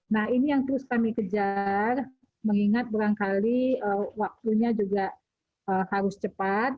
nah ini yang terus kami kejar mengingat berangkali waktunya juga harus cepat